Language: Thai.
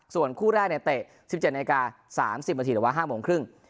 ส่วนคู่แรกเตะ๑๗นาที๓๐นาทีหรือว่า๕โมงครึ่ง